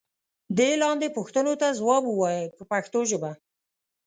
دې لاندې پوښتنو ته ځواب و وایئ په پښتو ژبه.